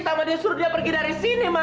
tante suruh dia pergi dari sini